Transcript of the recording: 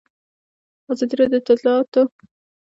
ازادي راډیو د اطلاعاتی تکنالوژي په اړه د مجلو مقالو خلاصه کړې.